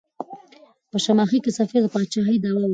په شماخي کې سفیر د پاچاهۍ دعوه وکړه.